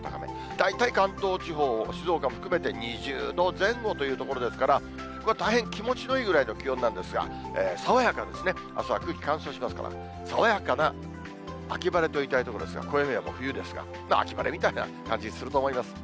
大体関東地方、静岡も含めて２０度前後というところですから、ここは大変気持ちのいいくらいの気温なんですが、爽やかなですね、朝は空気乾燥しますから、爽やかな秋晴れと言いたいところですが、暦では冬ですから、秋晴れみたいな感じすると思います。